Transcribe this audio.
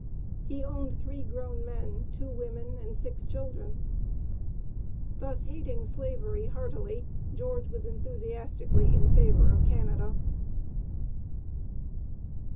He owned three grown men, two women and six children. Thus hating Slavery heartily, George was enthusiastically in favor of Canada.